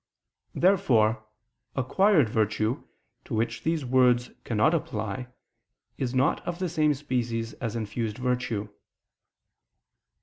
Therefore acquired virtue, to which these words cannot apply, is not of the same species as infused virtue.